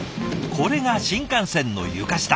これが新幹線の床下。